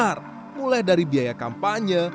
harian amat besar mulai dari biaya kampanye